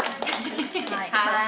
はい。